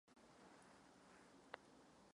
Byl poslední z deseti dětí.